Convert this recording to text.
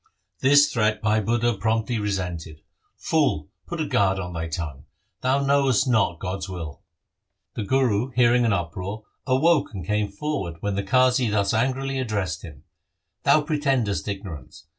This threat Bhai Budha promptly LIFE OF GURU HAR GOBIND 43 resented :' Fool, put a guard on thy tongue. Thou knowest not God's will.' The Guru, hearing an uproar, awoke and came forward, when the Qazi thus angrily addressed him :' Thou pretendest ignorance.